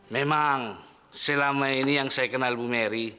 memang selama ini yang saya kenal bu meri